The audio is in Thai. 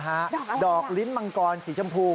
ดอกอะไรล่ะดอกลิ้นมังกรสีชมพู